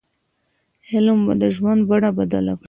علم به د ژوند بڼه بدله کړي.